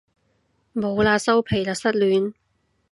冇喇收皮喇失戀